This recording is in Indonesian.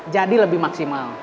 jadi lebih maksimal